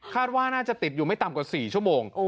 ว่าน่าจะติดอยู่ไม่ต่ำกว่า๔ชั่วโมง